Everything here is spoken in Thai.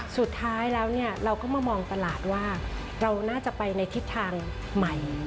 สุดท้ายแล้วเนี่ยเราก็มามองตลาดว่าเราน่าจะไปในทิศทางใหม่